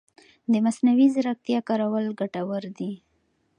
د مصنوعي ځېرکتیا کارول ګټور دي.